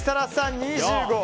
２５！